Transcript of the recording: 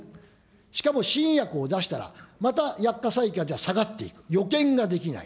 しかも新薬を出したら、また薬価さいかじゃ下がっていく、予見ができない。